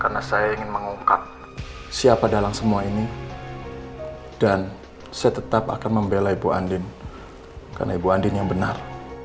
karena saya ingin mengungkap siapa dalam semua ini dan saya tetap akan membela ibu andin karena ibu andin yang benar